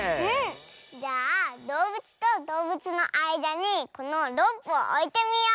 じゃあどうぶつとどうぶつのあいだにこのロープをおいてみよう。